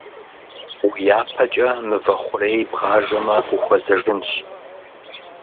Уи япэкӀэ мывэ хъурей бгъажэмэ ухуэзэжынщ.